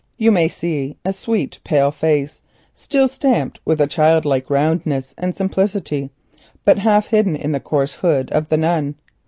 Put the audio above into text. You may see a sweet pale face, still stamped with a child like roundness and simplicity, but half hidden in the coarse hood of the nun.